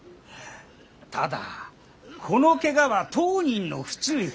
ただこのけがは当人の不注意。